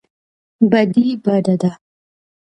بدي بده ده.